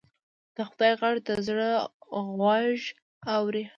د خدای غږ د زړه غوږ اوري